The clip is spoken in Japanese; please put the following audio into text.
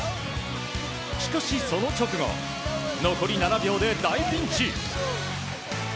しかし、その直後残り７秒で大ピンチ。